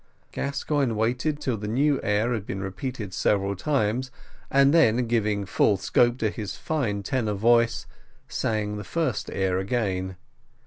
Gascoigne waited until the new air had been repeated several times, and then giving full scope to his fine tenor voice, sang the first air again.